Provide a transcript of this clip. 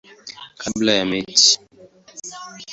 kabla ya mechi.